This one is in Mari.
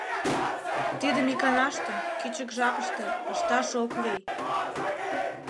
Тидым иканаште, кӱчык жапыште, ышташ ок лий.